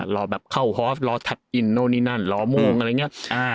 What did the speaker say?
รอแบบเข้าหอฟรอถัดอินรอมงอะไรอย่างนี้